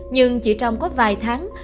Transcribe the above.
nhưng chỉ trong có vài tháng